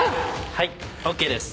はいＯＫです。